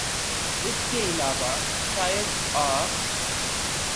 اس کے علاوہ شاید آ